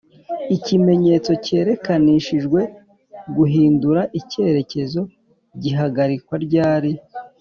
ikimenyetso cyerekanishijwe guhindura icyerekezo gihagarikwa ryali